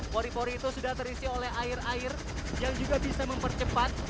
pori pori itu sudah terisi oleh air air yang juga bisa mempercepat